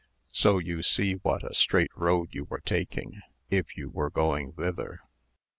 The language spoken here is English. So you see what a straight road you were taking, if you were going thither."